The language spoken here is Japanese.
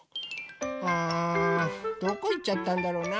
ああどこいっちゃったんだろうな